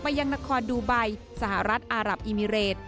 ยังนครดูไบสหรัฐอารับอิมิเรต